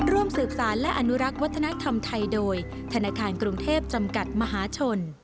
ร่วมสืบสารและอนุรักษ์วัฒนธรรมไทยโดยธนาคารกรุงเทพจำกัดมหาชน